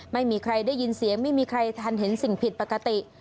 ไม่มีใครได้ยินเสียงไม่มีใครทันเห็นสิ่งผิดปกติ